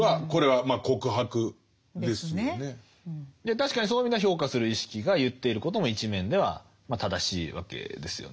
確かにそういう意味では評価する意識が言っていることも一面ではまあ正しいわけですよね。